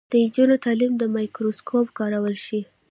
د نجونو تعلیم د مایکروسکوپ کارول ښيي.